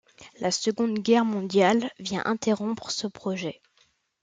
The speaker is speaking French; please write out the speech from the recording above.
La Seconde Guerre mondiale vient interrompre ce projet.